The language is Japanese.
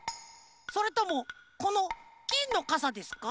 それともこのきんのかさですか？